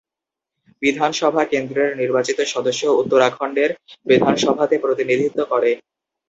বিধানসভা কেন্দ্রের নির্বাচিত সদস্য উত্তরাখণ্ডের বিধানসভাতে প্রতিনিধিত্ব করে।